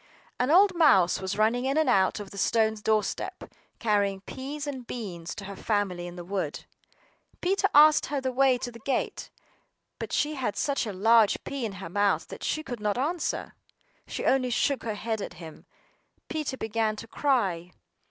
An old mouse was running in and out over the stone doorstep, carrying peas and beans to her family in the wood. Peter asked her the way to the gate, but she had such a large pea in her mouth that she could not answer. She only shook her head at him. Peter began to cry.